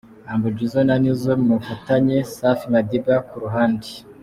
Humble Jizzo na Nizzo mu bufatanye, Safi Madiba ku ruhande.